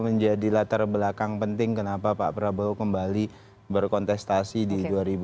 menjadilah terbelakang penting kenapa pak prabowo kembali berkontestasi di dua ribu dua puluh empat